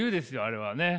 あれはね。